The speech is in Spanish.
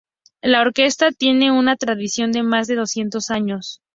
La orquesta tiene una tradición de más de doscientos años.